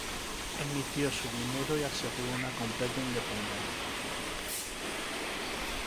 Emitió su propio dinero y aseguró una completa independencia.